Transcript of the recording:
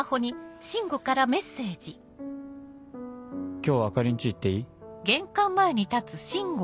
「今日朱里んち行っていい？」。